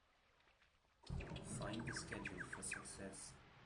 Find the schedule for Success.